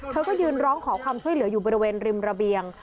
เธอก็ยืนร้องขอความช่วยเหลืออยู่บริเวณริมระเบียง